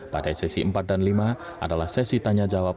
pada sesi empat dan lima adalah sesi tanya jawab